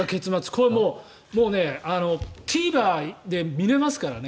これはもうＴＶｅｒで見れますからね